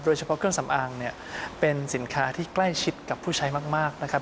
โดยเฉพาะเครื่องสำอางเป็นสินค้าที่ใกล้ชิดกับผู้ใช้มากนะครับ